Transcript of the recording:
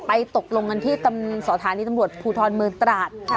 ไปตกลงกันที่สอธารณีตำรวจภูทรเมินตราจ